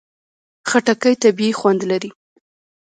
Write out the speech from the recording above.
خټکی طبیعي خوند لري.